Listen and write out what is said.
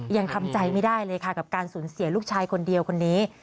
ยังทำใจไม่ได้เลยค่ะกับการสูญเสียลูกชายคนเดียวคนนี้